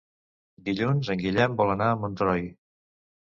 Dilluns en Guillem vol anar a Montroi.